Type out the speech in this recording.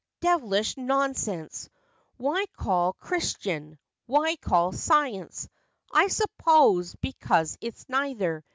Devilish nonsense! Why called Christian ? Why called science I suppose, because it's neither.